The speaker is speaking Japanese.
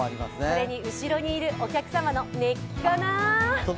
それに、後ろにいるお客様の熱気かな？